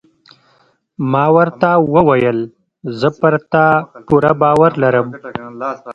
ما ورته وویل: زه پر تا پوره باور لرم.